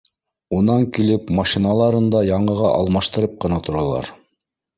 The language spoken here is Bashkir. Унан килеп, машиналарын да яңыға алмаштырып ҡына торалар